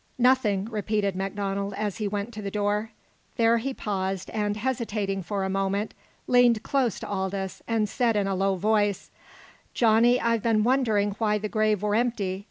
"Nothing," repeated MacDonald as he went to the door. There he paused and, hesitating for a moment, leaned close to Aldous, and said in a low voice: "Johnny, I've been wondering why the grave were empty.